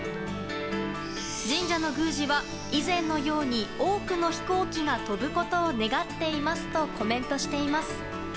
神社の宮司は、以前のように多くの飛行機が飛ぶことを願っていますとコメントしています。